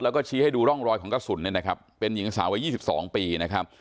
แล้วก็ชี้ให้ดูร่องรอยของกระสุนเนี่ยนะครับเป็นหญิงสาววัย๒๒ปีนะครับ